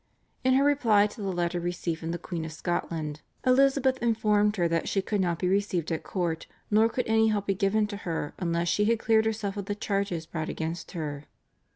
In her reply to the letter received from the Queen of Scotland Elizabeth informed her that she could not be received at court nor could any help be given to her unless she had cleared herself of the charges brought against her.